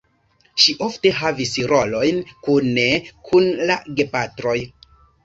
Ŝi ofte havis rolojn kune kun la gepatroj.